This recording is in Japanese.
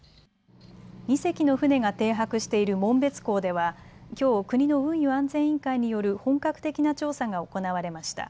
２隻の船が停泊している紋別港ではきょう国の運輸安全委員会による本格的な調査が行われました。